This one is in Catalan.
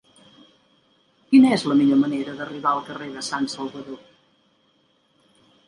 Quina és la millor manera d'arribar al carrer de Sant Salvador?